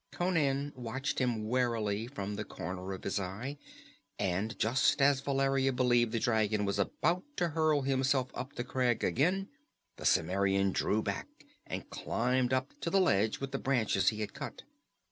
Conan watched him warily from the corner of his eye, and just as Valeria believed the dragon was about to hurl himself up the crag again, the Cimmerian drew back and climbed up to the ledge with the branches he had cut.